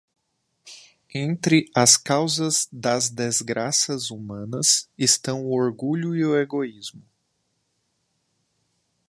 Entre as causas das desgraças humanas estão o orgulho e o egoísmo